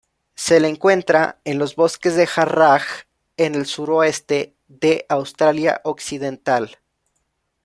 Se le encuentra en los bosques de Jarrah en el suroeste de Australia Occidental.